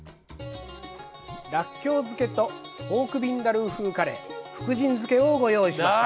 らっきょう漬けとポークビンダルー風カレー福神漬けをご用意しました。